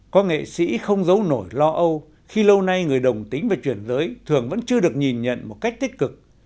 có nghệ sĩ không giấu nổi lo âu khi lâu nay người đồng tính và chuyển lưới thường vẫn chưa được nhìn nhận một cách tích cực